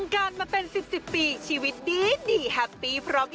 กลับไป